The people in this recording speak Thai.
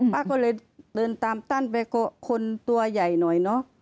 ป้าก็เลยเดินตามตั้นไปคนตัวใหญ่หน่อยเนอะ